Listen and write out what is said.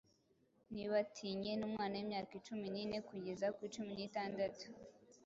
ntibatinye n'umwana w'imyaka cumi n'ine kugeza kuri cumi n'itandatu.